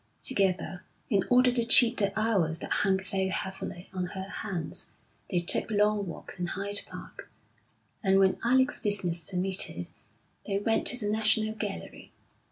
Together, in order to cheat the hours that hung so heavily on her hands, they took long walks in Hyde Park, and, when Alec's business permitted, they went to the National Gallery.